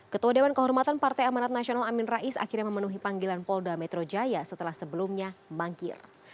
ketua dewan kehormatan partai amanat nasional amin rais akhirnya memenuhi panggilan polda metro jaya setelah sebelumnya mangkir